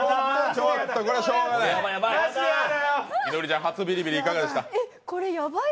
ちょっとこれはしょうがない。